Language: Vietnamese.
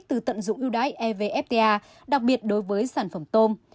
từ tận dụng ưu đái evfta đặc biệt đối với sản phẩm tôm